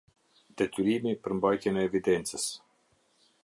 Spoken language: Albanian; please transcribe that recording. Detyrimi për mbajtjen e evidencës.